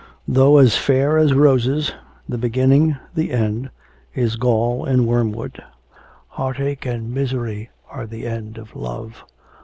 Though as fair as roses the beginning the end is gall and wormwood; heartache and misery are the end of love.